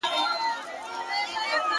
ه بيا دي په سرو سترگو کي زما ياري ده.